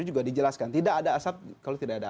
juga dijelaskan tidak ada asap kalau tidak ada